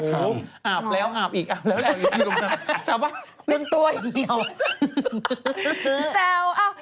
จับมาเล่นตัวอีกเหมือนกัน